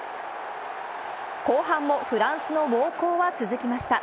後半もフランスの猛攻は続きました。